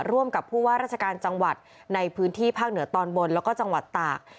ร่วมกับผู้ว่าราชการจังหวัดในพื้นที่ภาคเหนือตอนบนแล้วก็จังหวัดตาก